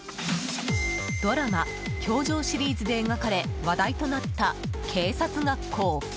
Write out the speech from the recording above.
ドラマ「教場」シリーズで描かれ話題となった警察学校。